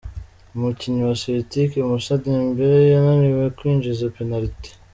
Umukinyi wa Celtic, Moussa Dembele yananiwe kwinjiza penalty.